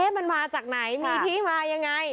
มันมาจากไหนมีที่มายังไง